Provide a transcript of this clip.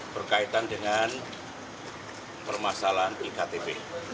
berkaitan dengan permasalahan iktp